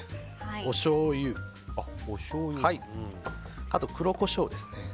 おしょうゆ、黒コショウですね。